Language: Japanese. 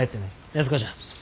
安子ちゃん。